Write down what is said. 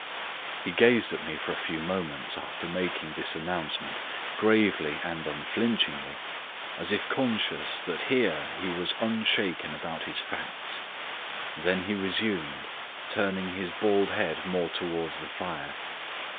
He gazed at me for a few moments after making this announcement, gravely and unflinchingly, as if conscious that here he was unshaken about his facts. Then he resumed, turning his bald head more towards the fire.